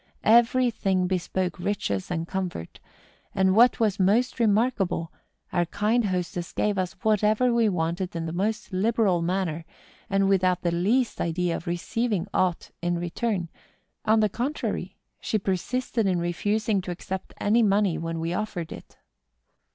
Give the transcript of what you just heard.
Every thing bespoke riches and comfort; and what was most remarkable, our kind hostess gave us whatever we wanted in the most liberal manner, and without the least idea of receiving aught in return; on the contrary, she per¬ sisted in refusing to accept any money when we NORTH CAPE. 151 offered it.